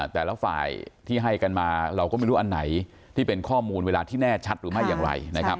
แต่ละฝ่ายที่ให้กันมาเราก็ไม่รู้อันไหนที่เป็นข้อมูลเวลาที่แน่ชัดหรือไม่อย่างไรนะครับ